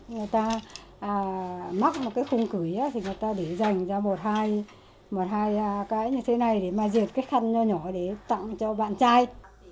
người ta mắc một cái khung cửi thì người ta để dành ra một hai cái như thế này để mà diệt cái khăn nhỏ để tặng cho bạn trai